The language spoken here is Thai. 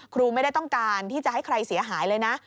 ครูไม่ได้ต้องการที่จะให้ใครเสียหายเลยนะ